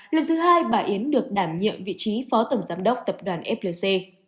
lần thứ hai bà yến được đảm nhiệm vị trí phó tổng giám đốc tập đoàn flc